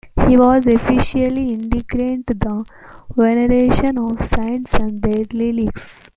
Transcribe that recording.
He was especially indignant in the veneration of saints and their relics.